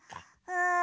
うん。